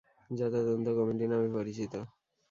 যা তদন্ত কমিটি নামে পরিচিত।